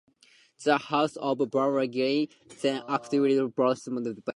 The House of Burgundy then acquired Bourbonnais.